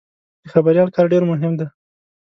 د خبریال کار ډېر مهم دی.